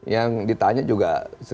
yang ditanya juga seribu dua ratus